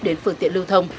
đến phương tiện lưu thông